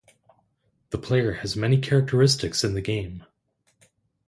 The player has many characteristics in the game.